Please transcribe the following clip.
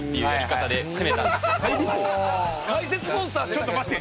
ちょっと待って。